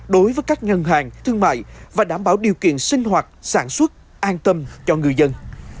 đối với các ngân hàng thương mại và đảm bảo điều kiện sinh hoạt sản xuất an tâm cho người dân